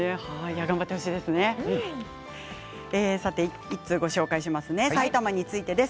頑張ってほしいですね。